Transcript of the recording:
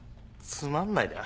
つまんないだ？